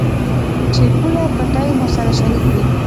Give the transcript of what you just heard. چې پوله، پټي مو سره شريک دي.